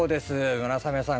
村雨さん